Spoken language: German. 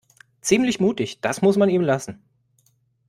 Ziemlich mutig, das muss man ihm lassen.